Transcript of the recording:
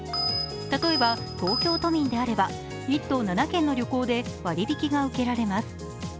例えば東京都民であれば１都７県の旅行で割り引きが受けられます。